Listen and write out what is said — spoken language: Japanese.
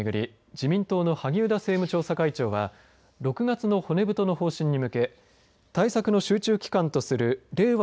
自民党の萩生田政務調査会長は６月の骨太の方針に向け対策の集中期間とする令和